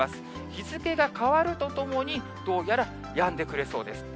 日付が変わるとともに、どうやらやんでくれそうです。